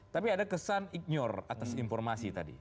tapi ada kesan ignore atas informasi tadi